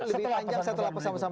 satu apa sama sama